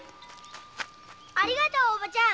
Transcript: ありがとうおばちゃん。